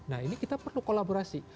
nah ini kita perlu kolaborasi